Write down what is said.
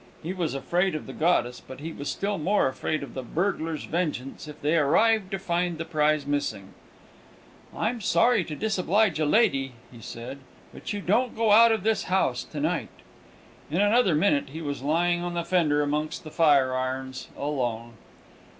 He was afraid of the goddess, but he was still more afraid of the burglars' vengeance if they arrived to find the prize missing. "I'm sorry to disoblige a lady," he said; "but you don't go out of this house to night." In another minute he was lying in the fender amongst the fireirons alone!